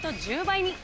１０倍に。